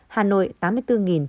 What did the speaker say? hà nội tám mươi bốn chín trăm bảy mươi